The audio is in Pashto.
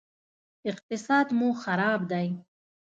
اقتصاد مو خراب دی